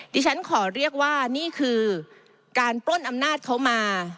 ดิฉันขอเรียกว่านี่คือการปล้นอำนาจเขามา